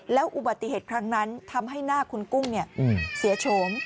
แล้วอุบัติเหตุครั้งนั้นทำให้หน้าคุณกุ้งเสียโฉม